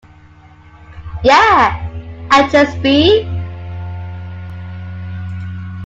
Yeah!," and "Just B.